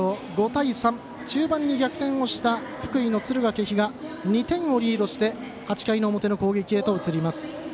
５対３、中盤に逆転した福井の敦賀気比が２点リードして８回表の攻撃へと移ります。